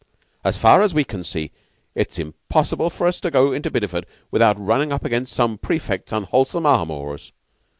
As far as we can see, it's impossible for us to go into Bideford without runnin' up against some prefect's unwholesome amours.